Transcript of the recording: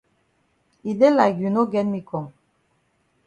E dey like you no get me kong